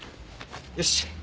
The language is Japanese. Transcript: よし。